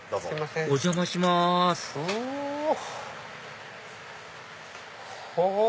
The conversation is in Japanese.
お邪魔しますうお！